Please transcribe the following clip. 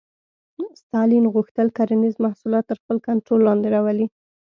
ستالین غوښتل کرنیز محصولات تر خپل کنټرول لاندې راولي.